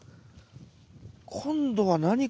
今度は何？